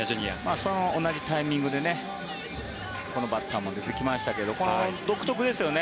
その同じタイミングでこのバッターも出てきましたけど独特ですよね。